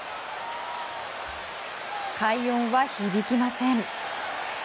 快音は響きません。